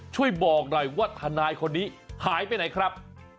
ช่วยบอกหน่อยว่าทนายคนนี้หายไปไหนครับ